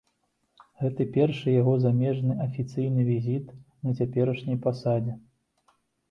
Гэты першы яго замежны афіцыйны візіт на цяперашняй пасадзе.